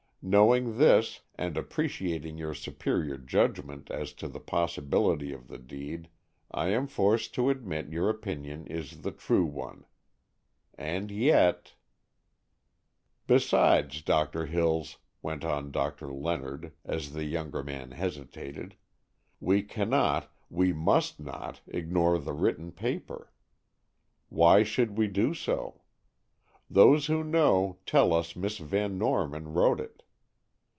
Knowing this, and appreciating your superior judgment as to the possibility of the deed, I am forced to admit your opinion is the true one. And yet——" "Besides, Doctor Hills," went on Doctor Leonard, as the younger man hesitated, "we cannot, we must not, ignore the written paper. Why should we do so? Those who know, tell us Miss Van Norman wrote it.